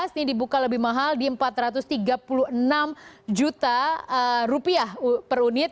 ini dibuka lebih mahal di empat ratus tiga puluh enam juta rupiah per unit